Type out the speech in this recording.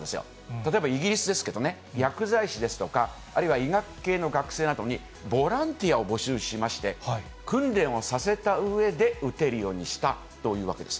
例えば、イギリスですけどね、薬剤師ですとか、あるいは医学系の学生などに、ボランティアを募集しまして、訓練をさせたうえで打てるようにしたというわけです。